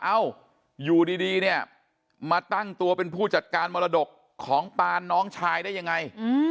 เอ้าอยู่ดีเนี่ยมาตั้งตัวเป็นผู้จัดการมรดกของปานน้องชายได้ยังไง